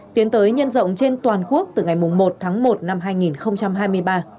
tiến tới nhân rộng trên toàn quốc từ ngày một tháng một năm hai nghìn hai mươi ba